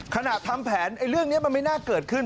ทำแผนเรื่องนี้มันไม่น่าเกิดขึ้น